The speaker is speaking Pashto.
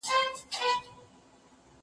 زه اوږده وخت لرګي راوړم وم!؟